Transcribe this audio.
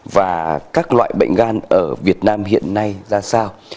và các loại bệnh gan ở việt nam hiện nay ra sao